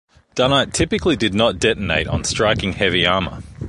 Dunnite typically did not detonate on striking heavy armor.